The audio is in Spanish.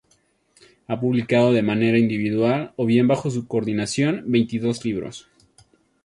Ha publicado de manera individual, o bien bajo su coordinación, veintidós libros.